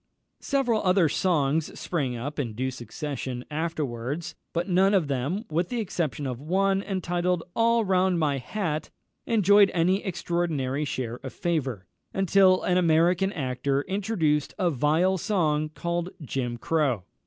Several other songs sprang up in due succession, afterwards, but none of them, with the exception of one, entitled "All round my Hat," enjoyed any extraordinary share of favour, until an American actor introduced a vile song called "Jim Crow."